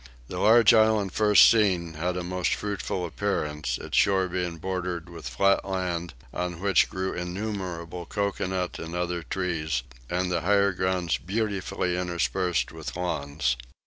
The large island first seen had a most fruitful appearance, its shore being bordered with flat land, on which grew innumerable coconut and other trees; and the higher grounds beautifully interspersed with lawns.